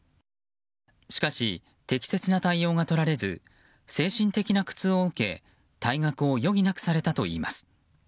しかし、適切な対応がとられず精神的な苦痛を受け退学を余儀なくされたといいます。